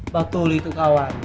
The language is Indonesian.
betul itu kawan